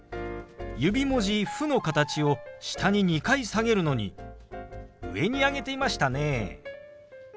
指文字「フ」の形を下に２回下げるのに上に上げていましたね。